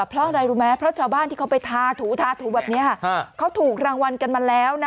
เพราะอะไรรู้ไหมเพราะชาวบ้านที่เขาไปทาถูทาถูแบบนี้เขาถูกรางวัลกันมาแล้วนะ